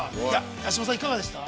八嶋さん、いかがでしたか。